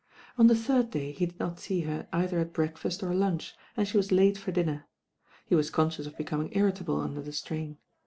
On the third day he did not see her either at breakfast or lunch, and she was late for dinner. He was conscious of becoming irritable under the strain.